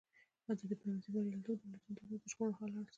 د ډیپلوماسی بریالیتوب د ملتونو ترمنځ د شخړو حل اسانه کوي.